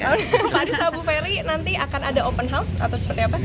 kepada bu ferry nanti akan ada open house atau seperti apa